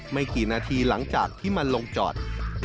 ไม่กี่นาทีหลังจากที่มันลงจอด